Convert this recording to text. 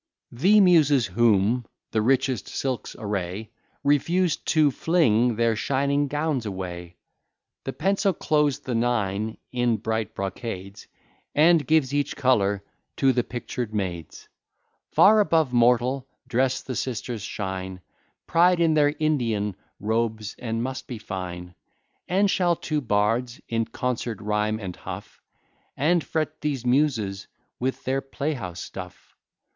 The Muses, whom the richest silks array, Refuse to fling their shining gowns away; The pencil clothes the nine in bright brocades, And gives each colour to the pictured maids; Far above mortal dress the sisters shine, Pride in their Indian Robes, and must be fine. And shall two bards in concert rhyme, and huff And fret these Muses with their playhouse stuff?